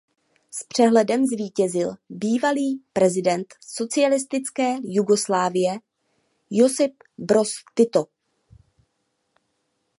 S přehledem zvítězil bývalý prezident socialistické Jugoslávie Josip Broz Tito.